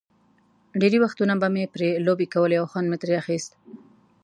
ډېری وختونه به مې پرې لوبې کولې او خوند مې ترې اخیست.